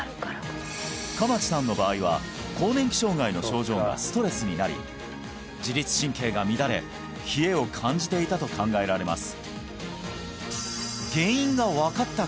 蒲地さんの場合は更年期障害の症状がストレスになり自律神経が乱れ冷えを感じていたと考えられます